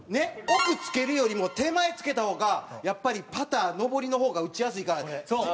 奥つけるよりも手前つけた方がやっぱりパター上りの方が打ちやすいからねっ？